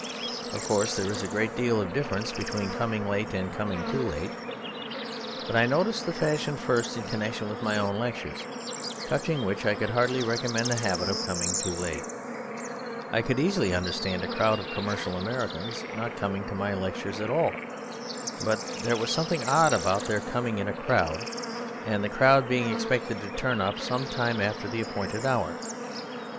Of course there is a great deal of difference between coming late and coming too late. But I noticed the fashion first in connection with my own lectures; touching which I could heartily recommend the habit of coming too late. I could easily understand a crowd of commercial Americans not coming to my lectures at all; but there was something odd about their coming in a crowd, and the crowd being expected to turn up some time after the appointed hour.